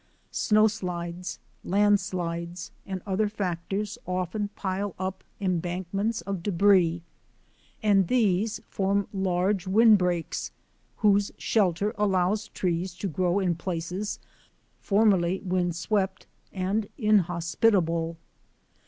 Snowslides, landslides, and other factors often pile up embankments of debris, and these form large windbreaks whose shelter allows trees to grow in places formerly windswept and inhospitable.